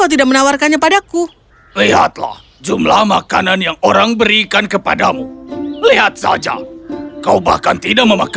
ini lucu sekali